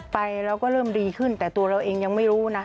ไปเราก็เริ่มดีขึ้นแต่ตัวเราเองยังไม่รู้นะ